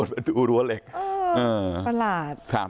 ประหลาด